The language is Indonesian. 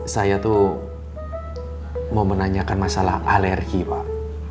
saya tuh mau menanyakan masalah alergi pak